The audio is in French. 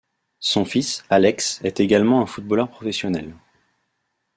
Son fils, Alex est également un footballeur professionnel.